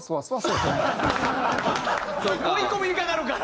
追い込みにかかるから。